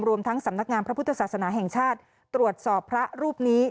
รวมทั้งสำนักงานพระพุทธศาสนาแห่งชาติตรวจสอบพระรูปนี้